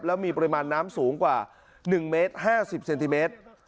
แล้วมีปริมาณน้ำสูงกว่า๑เมตร๕๐เซนติเมตร